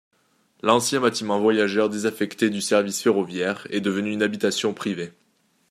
L'ancien bâtiment voyageurs, désaffecté du service ferroviaire, est devenu une habitation privée.